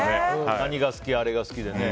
何が好き、あれが好きでね。